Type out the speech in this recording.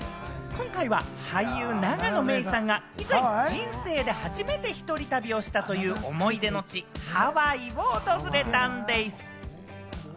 今回は俳優・永野芽郁さんが以前、人生で初めて１人旅をしたという思い出の地・ハワイを訪れたんでぃす。